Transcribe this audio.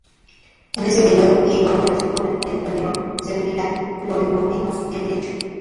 En ese periodo y en colaboración con Alfredo Calderón, se publican "Prolegómenos del derecho.